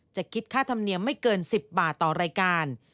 คิดค่าธรรมเนียมไม่เกิน๑๐บาทต่อรายการ